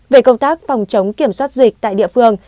về công tác phòng chống kiểm soát dịch tại địa phương